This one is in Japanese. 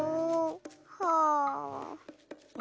はあ。